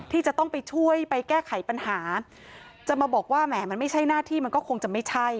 ที่จะต้องไปช่วยไปแก้ไขปัญหาจะมาบอกว่าแหมมันไม่ใช่หน้าที่มันก็คงจะไม่ใช่